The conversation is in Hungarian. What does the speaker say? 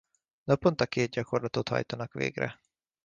Naponta két gyakorlatot hajtanak végre.